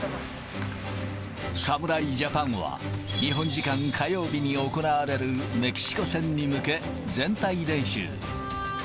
侍ジャパンは、日本時間火曜日に行われるメキシコ戦に向け、全体練習。